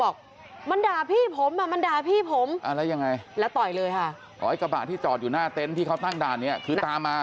กระบาดที่จอดอยู่หน้าเตนซ์ที่เขาตั้งด่านนี้คือตามมา